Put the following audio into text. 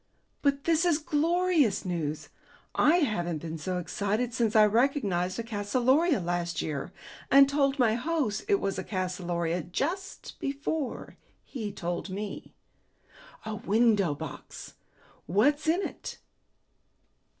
"But this is glorious news! I haven't been so excited since I recognized a calceolaria last year, and told my host it was a calceolaria just before he told me. A window box! What's in it?"